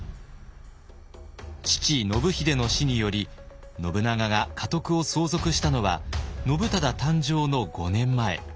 父信秀の死により信長が家督を相続したのは信忠誕生の５年前。